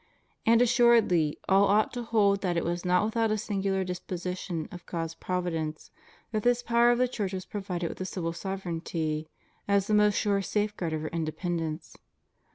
And assuredly all ought to hold that it was not without a singular disposition of God's provi dence that this power of the Church was provided with a civil sovereignty as the surest safeguard of her inde pendence.